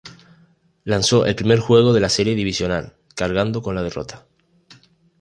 Lanzó el primer juego de la Serie Divisional, cargando con la derrota.